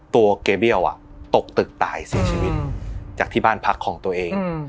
ตัวเกเบี้ยวตกตึกตายเสียชีวิตจากที่บ้านพักของตัวเอง